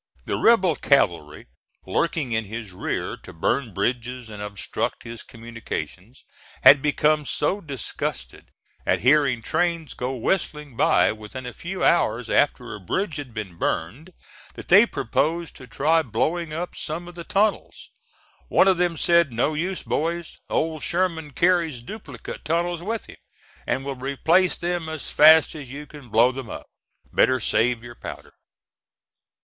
The rebel cavalry lurking in his rear to burn bridges and obstruct his communications had become so disgusted at hearing trains go whistling by within a few hours after a bridge had been burned, that they proposed to try blowing up some of the tunnels. One of them said, "No use, boys, Old Sherman carries duplicate tunnels with him, and will replace them as fast as you can blow them up; better save your powder."